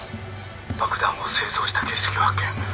爆弾を製造した形跡を発見。